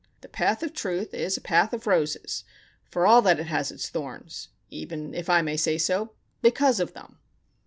The path of truth is a path of roses, for all that it has its thorns,—even, if I may say so, because of them!"